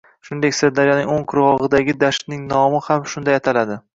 Shuningdek, Sirdaryoning o‘ng qirg‘og‘idagi dashtning nomi ham shunday ataladi.